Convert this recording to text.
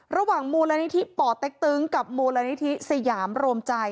ระหว่างมูลนี้ที่ป่อแต๊กตึงกับมูลนี้ที่สยามโรมใจ